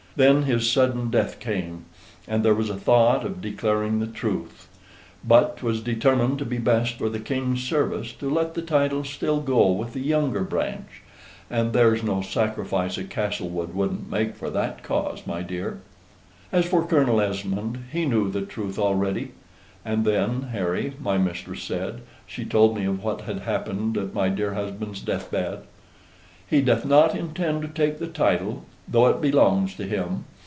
Then his sudden death came; and there was a thought of declaring the truth. But 'twas determined to be best for the King's service to let the title still go with the younger branch; and there's no sacrifice a Castlewood wouldn't make for that cause, my dear. "As for Colonel Esmond, he knew the truth already." ("And then, Harry," my mistress said, "she told me of what had happened at my dear husband's death bed"). "He doth not intend to take the title, though it belongs to him.